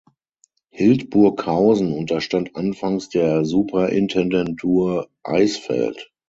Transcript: Hildburghausen unterstand anfangs der Superintendentur Eisfeld.